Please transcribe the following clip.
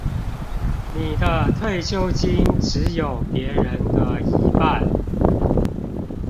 你的退休金只有別人的一半